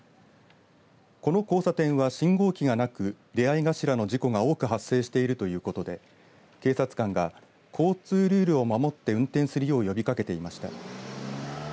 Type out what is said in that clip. この交差点は信号機がなく出会い頭の事故が多く発生しているということで警察官が交通ルールを守って運転するよう呼びかけていました。